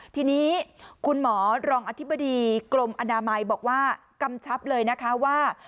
ทีนี้คุณหมอรองอธิบดีกรมอนามัยบอกว่ากำชับเลยนะคะว่า